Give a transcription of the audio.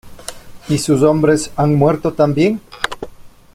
¿ y sus hombres han muerto también?